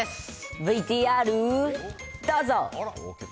ＶＴＲ、どうぞ。